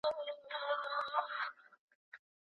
اقتصاد پوهان د پرمختيا بېلابېل تعريفونه وړاندې کوي.